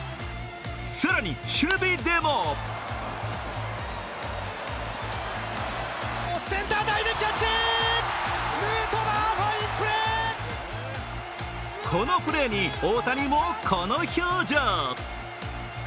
更に守備でもこのプレーに大谷もこの表情。